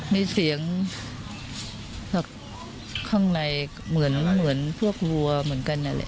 มีเสียงข้างในเหมือนพวกวัวเหมือนกันอะไร